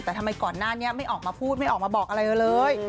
แต่ทำไมก่อนหน้านี้ไม่ออกมาพูดไม่ออกมาบอกอะไรเลย